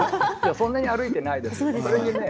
そんなに歩いていないです。